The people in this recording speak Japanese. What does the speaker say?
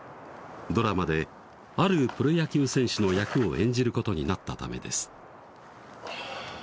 ドラマであるプロ野球選手の役を演じることになったためです